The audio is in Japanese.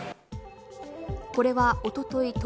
これはおととい